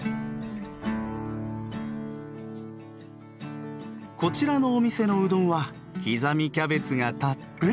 こちらのお店のうどんは刻みキャベツがたっぷり。